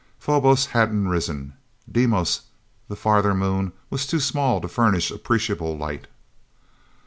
Phobos hadn't risen; Deimos, the farther moon, was too small to furnish appreciable light.